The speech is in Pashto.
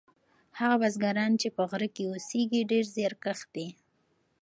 هغه بزګران چې په غره کې اوسیږي ډیر زیارکښ دي.